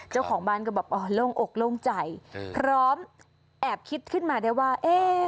เจ้าของบ้านก็แบบอ๋อโล่งอกโล่งใจพร้อมแอบคิดขึ้นมาได้ว่า